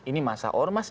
ini masa ormas